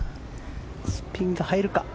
スピンが入るか。